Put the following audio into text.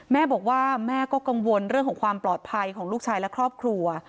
แม่บอกว่าแม่ก็กังวลเรื่องของความปลอดภัยของลูกชายและครอบครัว